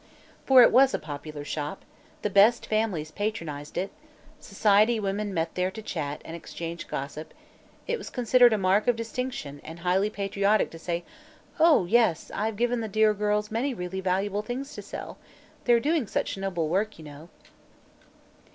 For it was a popular shop; the "best families" patronized it; society women met there to chat and exchange gossip; it was considered a mark of distinction and highly patriotic to say: "Oh, yes; I've given the dear girls many really valuable things to sell. They're doing such noble work, you know."